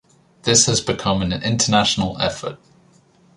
This has become an international effort.